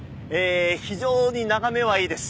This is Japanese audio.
非常に眺めはいいです。